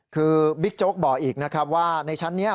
คือบิ๊กโจ๊กบอกอีกนะครับว่าในชั้นนี้